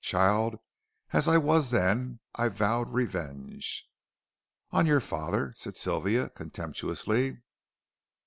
Child as I was then, I vowed revenge " "On your father," said Sylvia, contemptuously.